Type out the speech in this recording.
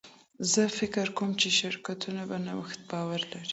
زه فکر کوم چې شرکتونه په نوښت باور لري.